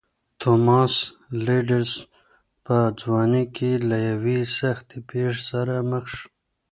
توماس لېډز په ځوانۍ کې له یوې سختې پېښې سره مخ شو.